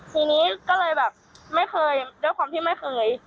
ทีนี้ก็เลยแบบไม่เคยด้วยความที่ไม่เคย